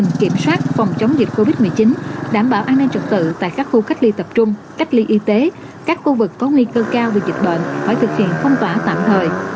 các cán bộ chiến sĩ công an khắp phường phải khăn mình kiểm soát phòng chống dịch covid một mươi chín đảm bảo an ninh trật tự tại các khu cách ly tập trung cách ly y tế các khu vực có nguy cơ cao vì dịch bệnh phải thực hiện phong tỏa tạm thời